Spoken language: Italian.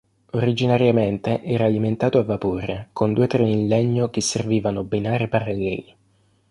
Originariamente era alimentato a vapore con due treni in legno che servivano binari paralleli.